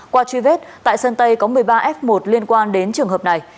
qua truy vết tại sơn tây có một mươi ba f một liên quan đến trường hợp này